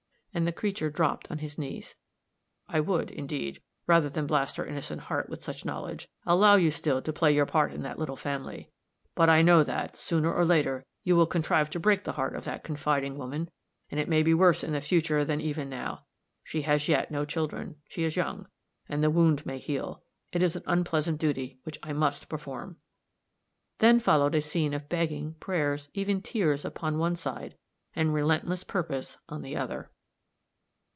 and the creature dropped on his knees. "I would, indeed, rather than blast her innocent heart with such knowledge, allow you still to play your part in that little family , but I know that, sooner or later, you will contrive to break the heart of that confiding woman, and it might be worse in the future than even now. She has yet no children; she is young, and the wound may heal. It is an unpleasant duty, which I must perform." Then followed a scene of begging, prayers, even tears upon one side, and relentless purpose on the other.